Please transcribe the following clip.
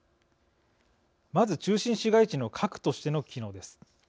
まず中心市街地の核としての機能です。